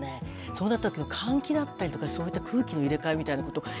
そうなったとき換気だったりとか空気の入れかえみたいなこと